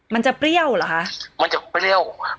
เปรี้ยวเหรอคะมันจะเปรี้ยว